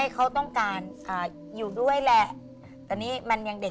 เค้าจะเอาร่างไป